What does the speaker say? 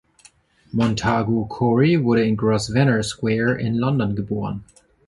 Montagu Corry wurde in Grosvenor Square in London geboren.